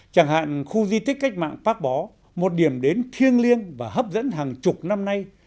chẳng hạn khu di tích cách mạng pháp bó một điểm đến thiêng liêng và hấp dẫn hàng chục năm nay